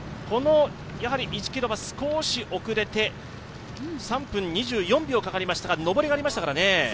この１ｋｍは少し遅れて、３分２４秒かかりましたが、上りがありましたからね。